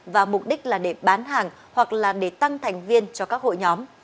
và mục đích là để bán hàng hoặc là để tăng thành viên cho các hội nhóm